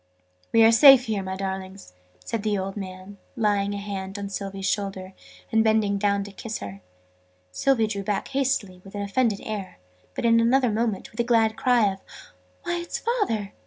"We are safe here, my darlings!" said the old man, laying a hand on Sylvie's shoulder, and bending down to kiss her. Sylvie drew back hastily, with an offended air: but in another moment, with a glad cry of "Why, it's Father!"